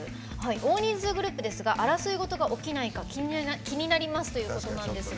大人数グループですが争い事が起きないか気になりますということなんですが。